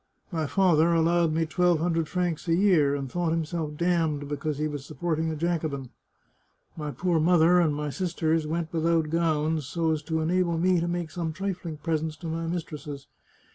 My father allowed me twelve hundred francs a year, and thought himself damned because he was supporting a Jacobin. My poor mother and my sisters went without gowns so as to enable me to make some trifling presents to my mistresses.